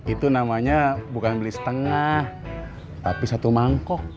itu namanya bukan beli setengah tapi satu mangkok